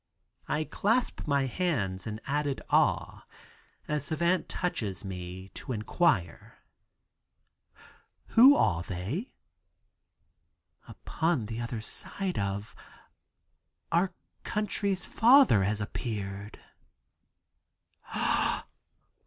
I clasp my hands in added awe as Savant touches me to inquire: "Who are they?" "Upon the other side of our country's father has appeared.